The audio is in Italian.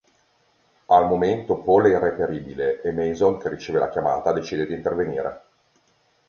Al momento Paul è irreperibile e Mason che riceve la chiamata decide di intervenire.